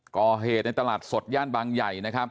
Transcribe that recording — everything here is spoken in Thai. กรเหตุในตลาดสดญาณบังใหญ่